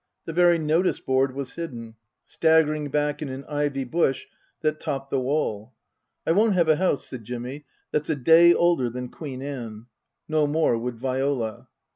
The very notice board was hidden, staggering back in an ivy bush that topped the wall. " I won't have a house," said Jimmy, " that's a day older than Queen Anne." No more would Viola.